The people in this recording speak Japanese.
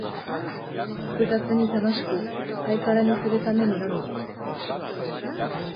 複雑に楽しく、ハイカラにするためにのみ、